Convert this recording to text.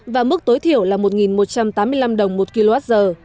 và mức tối thiểu là một một trăm tám mươi năm đồng một kwh